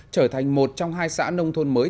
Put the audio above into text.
trở thành một trong hai xã nông thôn mới